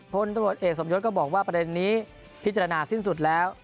พลตรวจเอกสมยศก็บอกว่าประเด็นนี้พิจารณาสิ้นสุดแล้ว